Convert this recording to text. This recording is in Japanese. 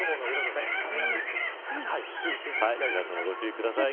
皆さま、ご注意ください。